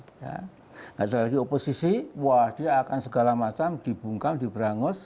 tidak ada lagi oposisi wah dia akan segala macam dibungkal diberangus